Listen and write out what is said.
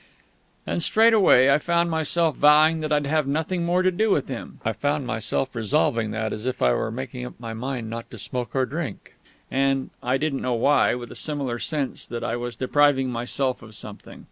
And straight away, I found myself vowing that I'd have nothing more to do with him. I found myself resolving that, as if I were making up my mind not to smoke or drink and (I don't know why) with a similar sense that I was depriving myself of something.